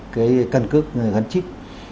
cái cân cước gắn chích